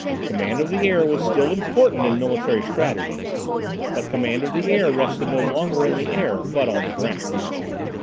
Command of the air was still important in military strategy, but command of the air rested no longer in the air, but on the ground.